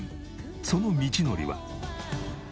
その道のりは。